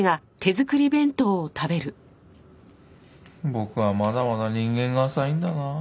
僕はまだまだ人間が浅いんだなあ。